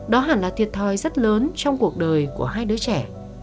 đó hẳn là thiệt thòi rất lớn trong cuộc đời của hai đứa trẻ